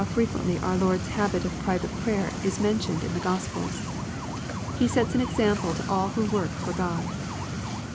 809 frequently our Lord's habit of private prayer is mentioned in the Q ospels. He sets an example to all who work for Grod.